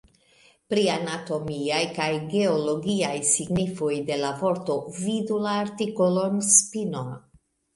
Pri anatomiaj kaj geologiaj signifoj de la vorto vidu la artikolon spino.